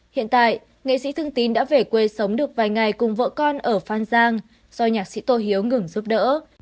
hiện tại nghệ sĩ thương tín đã về quê sống được vài ngày cùng vợ con ở phan giang do nhạc sĩ tô hiếu ngừng giúp đỡ